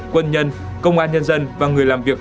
quân nhân công an nhân dân và người làm việc